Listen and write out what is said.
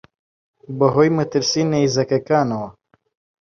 بە هۆی مەترسیی نەیزەکەکانەوە